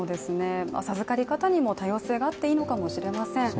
授かり方にも多様性があってもいいかもしれません。